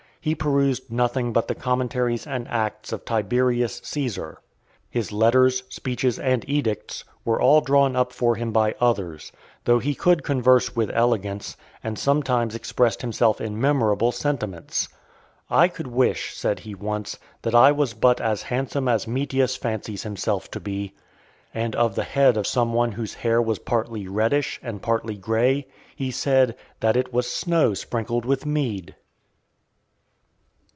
He perused nothing but the Commentaries and Acts of Tiberius Caesar. His letters, speeches, and edicts, were all drawn up for him by others; though he could converse with elegance, and sometimes expressed himself in memorable sentiments. "I could wish," said he once, "that I was but as handsome as Metius fancies himself to be." And of the head of some one whose hair was partly reddish, and partly grey, he said, "that it was snow sprinkled with mead."